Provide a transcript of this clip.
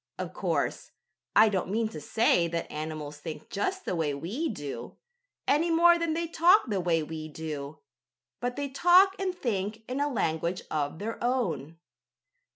Of course I don't mean to say that animals think just the way we do, any more than they talk the way we do. But they talk and think in a language of their own.